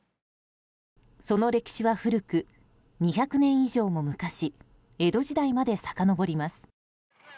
その歴史は古く２００年以上も昔江戸時代までさかのぼります。